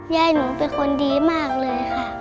ยายหนูเป็นคนดีมากเลยค่ะ